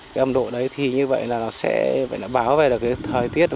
cái ẩm độ đấy thì như vậy là nó sẽ bảo vệ được cái thời tiết